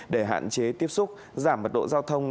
để hạn chế tiếp xúc giảm mật độ giao thông